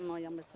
mau yang besar